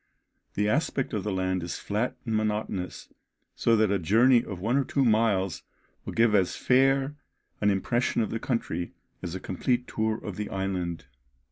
The aspect of the land is flat and monotonous, so that a journey of one or two miles will give as fair an impression of the country as a complete tour of the island.